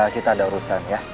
kita ada urusan ya